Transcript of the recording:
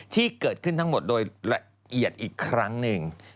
ที่เกิดขึ้นทั้งหมดโดยละเอียดอีกครั้งหนึ่ง